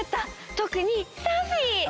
とくにサフィー！